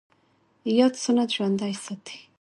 ياد سنت ژوندی ساتي